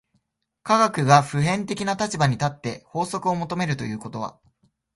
科学が普遍的な立場に立って法則を求めるということは、